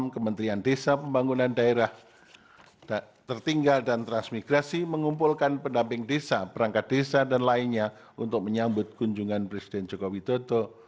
kementerian desa pembangunan daerah tertinggal dan transmigrasi mengumpulkan pendamping desa perangkat desa dan lainnya untuk menyambut kunjungan presiden joko widodo